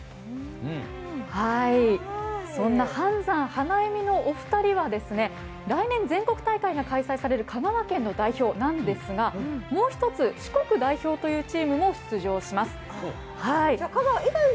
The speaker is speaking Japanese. そんな飯山花笑みのお二人は来年、全国大会が開催される香川県の代表なんですがもう１つ、四国代表というチームも出場します。